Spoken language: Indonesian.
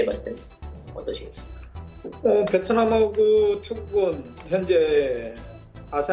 atau apakah kamu melihatnya dengan baik